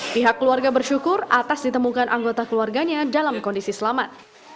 pihak keluarga bersyukur atas ditemukan anggota keluarganya dalam kondisi selamat